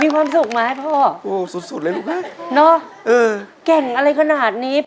มีความสุขไหมพ่อโอ้สุดสุดเลยลูกป่ะเนาะเออเก่งอะไรขนาดนี้